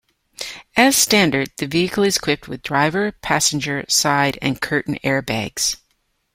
As standard, the vehicle is equipped with driver, passenger, side and curtain airbags.